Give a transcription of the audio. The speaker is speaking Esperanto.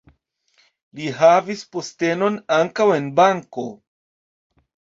Li havis postenon ankaŭ en banko.